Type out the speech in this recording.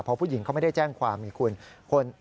เพราะผู้หญิงเขาไม่ได้แจ้งความไงคุณ